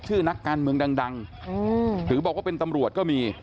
นักการเมืองดังหรือบอกว่าเป็นตำรวจก็มี